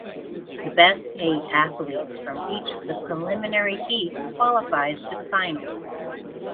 The best eight athletes from each of preliminary heats qualifies to the final.